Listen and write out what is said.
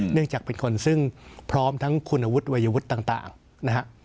เนื่องจากเป็นคนซึ่งพร้อมทั้งคุณวุฒิวัยวุฒิต่างนะฮะ